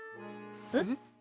えっ？